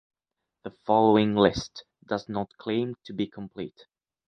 The following list does not claim to be complete.